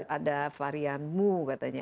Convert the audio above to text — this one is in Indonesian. ada varian mu katanya